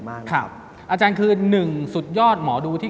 แขกเบอร์ใหญ่ของผมในวันนี้